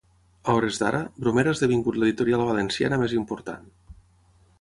A hores d'ara, Bromera ha esdevingut l'editorial valenciana més important.